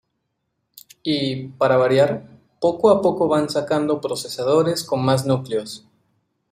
Y, para variar, poco a poco van sacando procesadores con más núcleos.